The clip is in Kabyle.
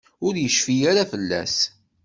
Ur yecfi ara fell-as.